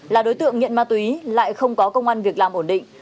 là đối tượng nghiện ma túy lại không có công an việc làm ổn định